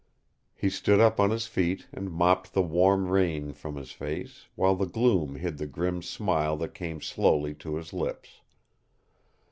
He stood up on his feet and mopped the warm rain from his face, while the gloom hid the grim smile that came slowly to his lips.